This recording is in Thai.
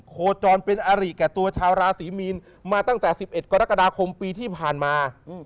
โคจรเป็นอาริแก่ตัวชาวราศีมีนมาตั้งแต่๑๑กรกฎาคมปีที่ผ่านมา